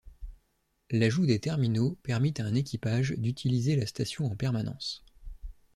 L'ajout des terminaux permit à un équipage d'utiliser la station en permanence.